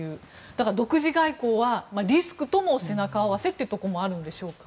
だから、独自外交はリスクとも背中合わせというところもあるんでしょうか。